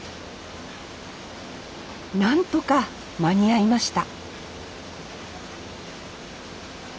何とか間に合いました